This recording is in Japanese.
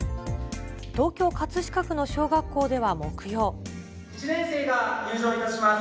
東京・葛飾区の小学校では木１年生が入場いたします。